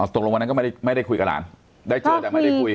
ตกลงวันนั้นก็ไม่ได้คุยกับหลานได้เจอแต่ไม่ได้คุย